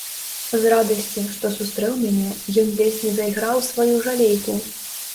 З радасці, што сустрэў мяне, ён ледзь не зайграў у сваю жалейку.